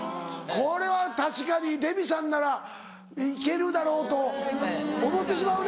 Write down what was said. これは確かにデヴィさんなら行けるだろうと思うてしまうな。